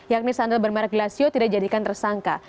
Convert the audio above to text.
yakni sandal bermerek glasio tidak dijadikan tersangka